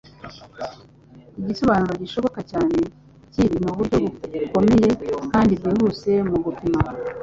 Igisobanuro gishoboka cyane cy'ibi ni uburyo bukomeye kandi bwihuse mu gupima: